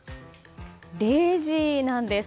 レジなんです。